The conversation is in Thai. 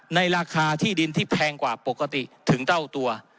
ในราคาที่ดินที่แพงกว่าปกติถึงเท่าตัว